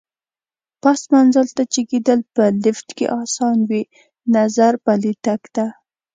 پاس منزل ته جګېدل په لېفټ کې اسان وي، نظر پلي تګ ته.